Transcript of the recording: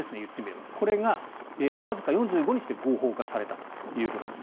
これがわずか４５日で合法化されたということです。